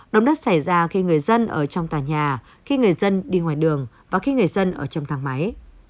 động đất xảy ra khi người dân ở trong tòa nhà khi người dân đi ngoài đường và khi người dân ở trong thang máy